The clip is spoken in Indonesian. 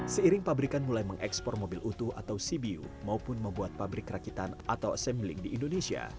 seiring pabrikan mulai mengekspor mobil utuh atau cbu maupun membuat pabrik rakitan atau assembling di indonesia